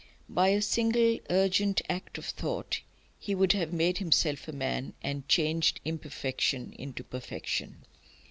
By a single urgent act of thought he would have made himself a man, and changed imperfection into perfection.